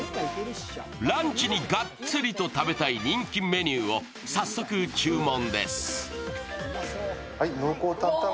ランチにガッツリと食べたい人気メニューを早速注文です。